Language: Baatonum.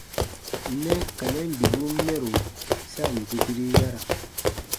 Nɛ ka nɛn bibun mɛro sa ǹ dukiri yara.